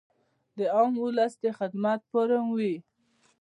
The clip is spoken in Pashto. د عام اولس د خدمت فورم وي -